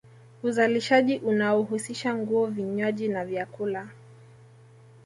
Uzalishaji unaohusisha nguo vinywaji na vyakula